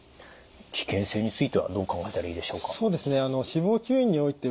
危険性についてはどう考えたらいいでしょうか？